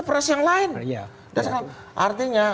peras yang lain artinya